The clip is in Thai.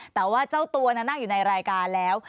แต่ว่าเจ้าตัวนั่งอยู่ในรายการแล้ว